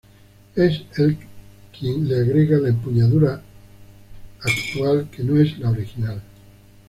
Es el quien le agrega la empuñadura actúa, que no es la original.